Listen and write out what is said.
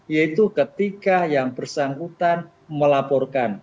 yaitu ketika yang bersangkutan melaporkan